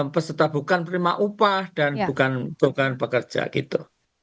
peserta bukan penerima upah dan bukan pekerja gitu